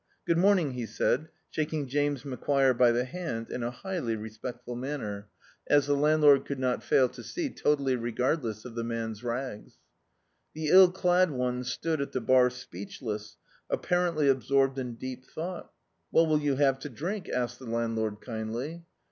Good morning," he s;ud, shaking James Macquire by the hand in a highly respectful manner, Dictzed by Google The Fortune as the landlord could not fail to see, totally r^rd less of the man's rags. The ill clad me stood at the bar speediless, ap parently absorbed in deep thou^t. "What wilt you have to drink?" asked the landlord kindly.